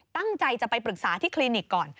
ตั้งใจจะไปปรึกษาที่คลินิกก่อน